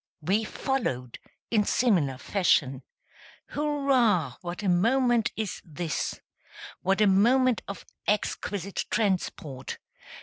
We followed, in similar fashion; Hurrah, what a moment is this! What a moment of exquisite transport!